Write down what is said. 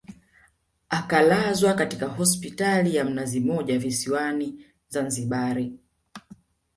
akalazwa katika hospitali ya mnazi mmoja visiwani Zanzibari